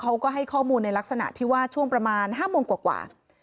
เขาก็ให้ข้อมูลในลักษณะที่ว่าช่วงประมาณ๕โมงกว่า